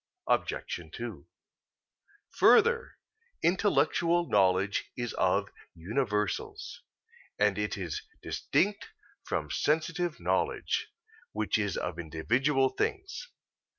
Obj. 2: Further, intellectual knowledge is of universals; and so it is distinct from sensitive knowledge, which is of individual things.